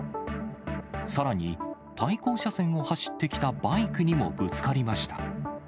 さらに、対向車線を走ってきたバイクにもぶつかりました。